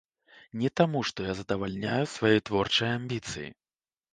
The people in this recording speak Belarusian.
Не таму, што я задавальняю свае творчыя амбіцыі.